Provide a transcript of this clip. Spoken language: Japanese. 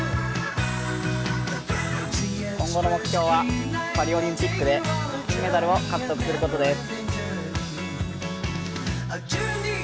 今後の目標はパリオリンピックで金メダルを獲得することです。